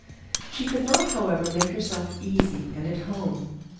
She could not, however, make herself easy and at home.